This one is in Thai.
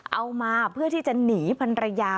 เอามาเพื่อที่จะหนีพันรยา